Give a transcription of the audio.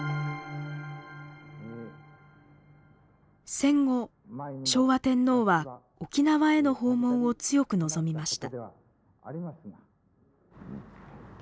戦後昭和天皇は沖縄への訪問を強く望みました。